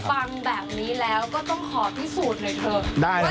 ได้ครับยินดีครับพี่นิว